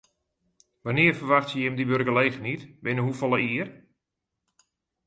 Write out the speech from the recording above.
Wannear ferwachtsje jim dy wurkgelegenheid, binnen hoefolle jier?